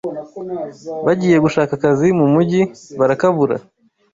Bagiye gushaka akazi mu mugi barakabura